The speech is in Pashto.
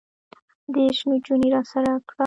دېرش نجونې راسره کړه.